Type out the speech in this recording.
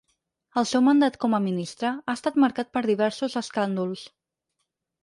El seu mandat com a ministra ha estat marcat per diversos escàndols.